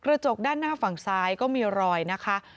กระจกด้านหน้าฝั่งซ้ายก็มีรอยนะคะ